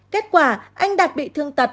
kết quả anh đạt bị thương tật hai mươi bốn